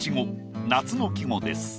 夏の季語です。